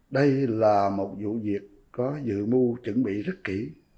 đây là một vụ việc có dự mưu chuẩn bị rất kỹ